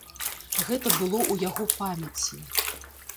Гэта было ў яго памяці.